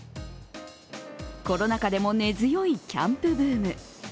コロナ禍でも根強いキャンプブーム。